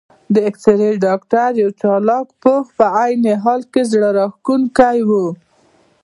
د اېکسرې ډاکټر یو چالاک، پوه او په عین حال کې زړه راښکونکی و.